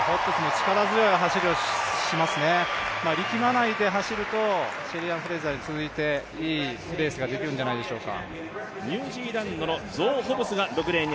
力強い走りをしますね、力まないで走るとシェリーアン・フレイザーに続いて、いいレースができるんじゃないでしょうか。